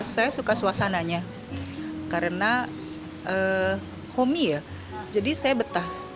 saya suka suasananya karena homi ya jadi saya betah